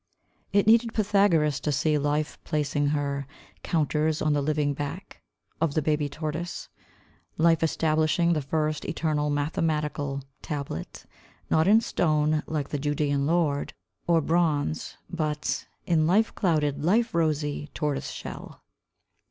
It needed Pythagoras to see life placing her counters on the living back Of the baby tortoise; Life establishing the first eternal mathematical tablet, Not in stone, like the Judean Lord, or bronze, but in life clouded, life rosy tortoise shell.